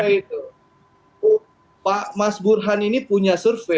angka angka survei itu pak mas burhan ini punya survei